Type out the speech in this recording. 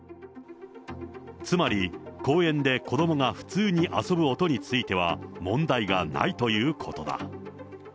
つまり、公園で子どもが普通に遊ぶ音については、問題がないということだ。